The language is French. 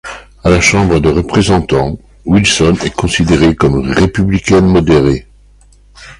À la Chambre des représentants, Wilson est considérée comme une républicaine modérée.